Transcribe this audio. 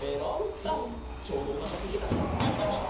ちょうどおなかすいてたんだありがとう。